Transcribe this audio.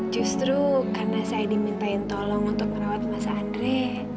justru karena saya dimintain tolong untuk merawat mas andre